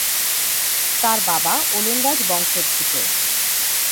তার বাবা ওলন্দাজ বংশোদ্ভূত।